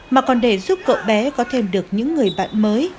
mà còn để giúp cậu bé có thêm được những người bạn mới